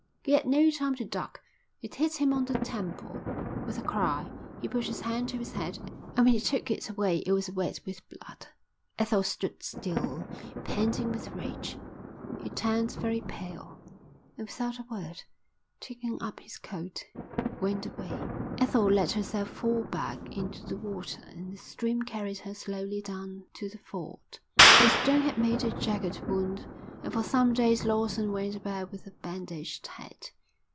He had no time to duck. It hit him on the temple. With a cry he put his hand to his head and when he took it away it was wet with blood. Ethel stood still, panting with rage. He turned very pale, and without a word, taking up his coat, went away. Ethel let herself fall back into the water and the stream carried her slowly down to the ford. The stone had made a jagged wound and for some days Lawson went about with a bandaged head.